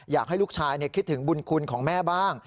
อยากให้ลูกชายคิดถึงบุญคุณของแม่บ้าง